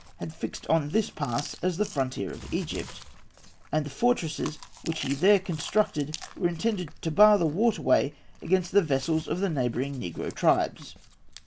had fixed on this pass as the frontier of Egypt, and the fortresses which he there constructed were intended to bar the water way against the vessels of the neighbouring negro tribes.